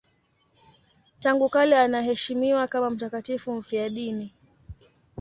Tangu kale anaheshimiwa kama mtakatifu mfiadini.